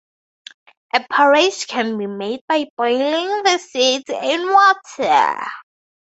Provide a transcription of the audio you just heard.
A porridge can be made by boiling the seeds in water.